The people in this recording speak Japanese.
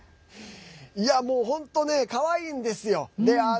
もう本当、かわいいんですよ。